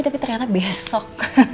tapi ternyata besok